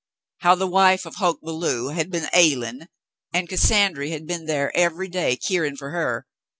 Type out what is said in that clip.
How the wife of Hoke Belew had been "ailin'," and Cassandra had *' be'n thar ev'y day keerin' fer her.